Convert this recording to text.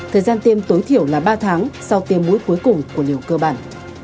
thời gian tiêm tối thiểu là ba tháng sau tiêm mũi cuối cùng của liều cơ bản